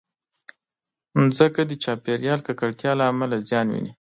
مځکه د چاپېریالي ککړتیا له امله زیان ویني.